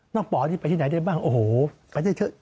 นอกปอดนี่ไปที่ไหนได้บ้างโอ้โฮไปได้เฉิน